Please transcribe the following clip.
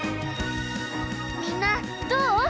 みんなどう？